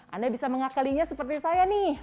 anda bisa mengakalinya seperti saya nih